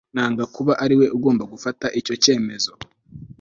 Nanga kuba ariwe ugomba gufata icyo cyemezo